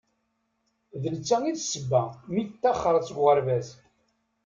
D netta i d-sebba mi tettaxer seg uɣerbaz.